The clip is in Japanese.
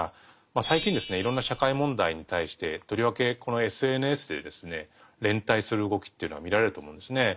最近ですねいろんな社会問題に対してとりわけこのＳＮＳで連帯する動きというのが見られると思うんですね。